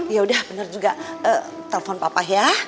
ya udah bener juga telpon papa ya